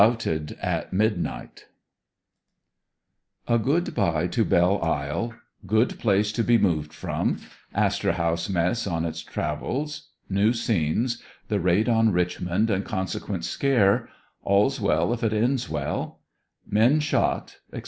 PEMERTON BUILDING, A GOOD BYE TO BELLE ISLE — GOOD PLACE TO BE MOVED FROM — ASTOR HOUSE MESS ON ITS TRAVELS — NEW SCENES — THE RAID ON RICHMOND AND CONSEQUENT SCARE — ALL'S WELL IF IT ENDS WELL — MEN SHOT, ETC.